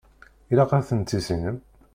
Ilaq ad ten-tissinem.